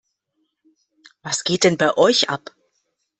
Was geht denn bei euch ab?